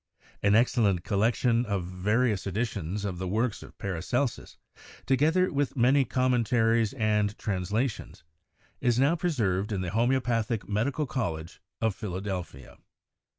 An excellent collec tion of various editions of the works of Paracelsus, to gether with many commentaries and translations, is now PERIOD OF MEDICAL MYSTICISM 65 preserved in the Homeopathic Medical College of Phila delphia.